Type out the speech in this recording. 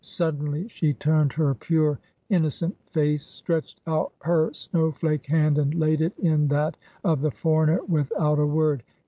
Suddenly she turned her pure, innocent face, stretched out her snow flake hand and laid it in that of the foreigner without a word.